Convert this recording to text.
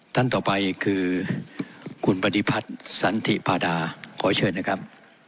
ท่านต่อไปคือคุณปฏิพัฒน์สันธิพาดาขอเชิญนะครับ